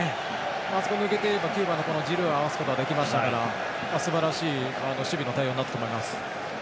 あそこ抜けていればジルーが合わせることができましたからすばらしい守備の対応になったと思います。